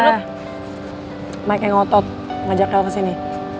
eh mike yang ngotot ngajak del kesini